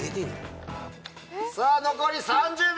さぁ残り３０秒！